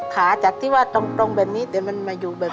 ขาจะตรงแบบนี้เดี๋ยวมันอยู่แบบนี้